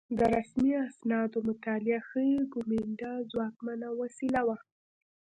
د رسمي اسنادو مطالعه ښيي کومېنډا ځواکمنه وسیله وه